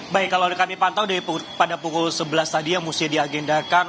baik kalau kami pantau pada pukul sebelas tadi yang mesti diagendakan